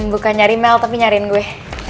bukan nyari mel tapi nyariin gue